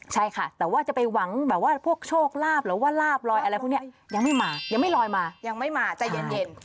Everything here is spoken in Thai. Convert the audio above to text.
ใช่ค่ะแต่ว่าจะไปหวังแบบว่าพวกโชคลาภหรือว่าลาบลอยอะไรพวกนี้ยังไม่มายังไม่ลอยมายังไม่มาใจเย็น